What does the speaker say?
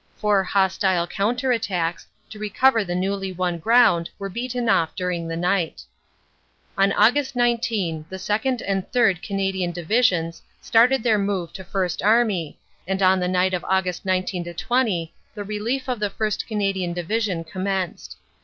Four hostile counter attacks to recover the newly won ground were beaten off during the night. "On Aug. 19, the 2nd. and 3rd. Canadian Divisions started their move to First Army, and on the night of Aug. 19 20 the relief of the 1st. Canadian Division commenced.